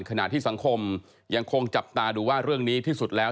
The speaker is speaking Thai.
ขณะที่สังคมยังคงจับตาดูว่าเรื่องนี้ที่สุดแล้ว